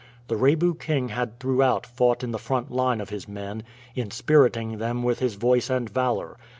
The Rebu king had throughout fought in the front line of his men, inspiriting them with his voice and valor.